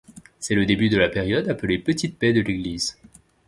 C'est le début de la période appelée petite paix de l'Église.